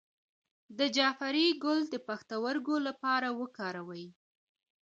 د جعفری ګل د پښتورګو لپاره وکاروئ